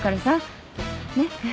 ねっ。